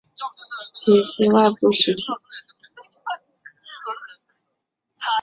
解析外部实体。